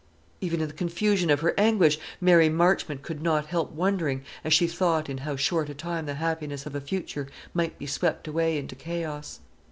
Even in the confusion of her anguish, Mary Marchmont could not help wondering, as she thought in how short a time the happiness of a future might be swept away into chaos.